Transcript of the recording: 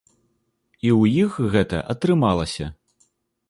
І ў іх гэта атрымалася.